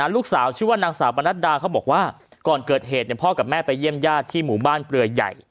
ลูกสาวชื่อว่านางสาวปนัดดาเขาบอกว่าก่อนเกิดเหตุพ่อกับแม่ไปเยี่ยมญาติที่หมู่บ้านเปลือใหญ่